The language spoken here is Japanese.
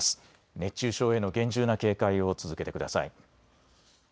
熱中症への厳重な警戒を続けてください。